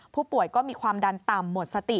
ผู้ป่วยก็มีความดันต่ำหมดสติ